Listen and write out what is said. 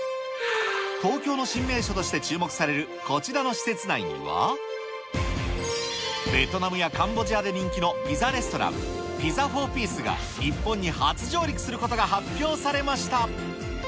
東京の新名所として注目されるこちらの施設内には、ベトナムやカンボジアで人気のピザレストラン、ピザフォーピースが、日本に初上陸することが発表されました。